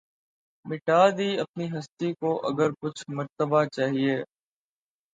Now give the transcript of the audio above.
مٹا دی اپنی ھستی کو اگر کچھ مرتبہ چاھے